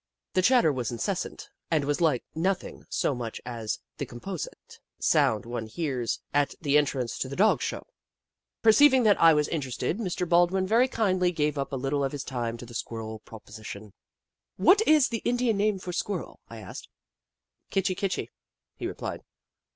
The chatter was incessant and was like nothing so much as the composite sound one hears at the entrance to the Doe Show. Perceivincr that I Kitchi Kitchi 89 was interested, Mr. Baldwin very kindly gave up a little of his time to the Squirrel pro position. "What is the Indian name for Squirrel?" I asked. " Kitchi Kitchi," he replied.